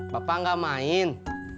bapak gak main